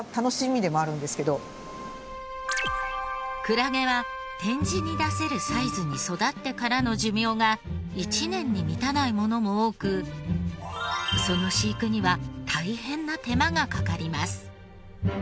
クラゲは展示に出せるサイズに育ってからの寿命が１年に満たないものも多くその飼育には大変な手間がかかります。